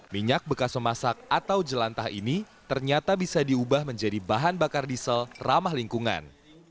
minyak bekas memasak atau jelantah ini ternyata bisa diubah menjadi bahan bakar diesel ramah lingkungan